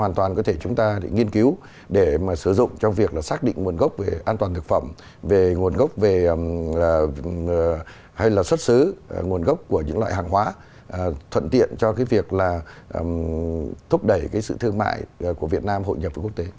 hoàn toàn có thể chúng ta để nghiên cứu để mà sử dụng trong việc là xác định nguồn gốc về an toàn thực phẩm về nguồn gốc về hay là xuất xứ nguồn gốc của những loại hàng hóa thuận tiện cho cái việc là thúc đẩy cái sự thương mại của việt nam hội nhập với quốc tế